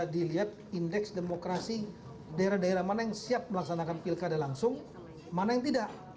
dilihat indeks demokrasi daerah daerah mana yang siap melaksanakan pilkada langsung mana yang tidak